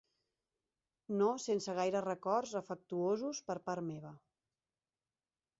No sense gaire records afectuosos per part meva.